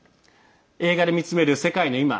「映画で見つめる世界のいま」。